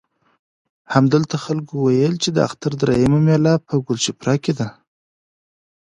همدلته خلکو وویل چې د اختر درېیمه مېله په کلشپوره کې ده.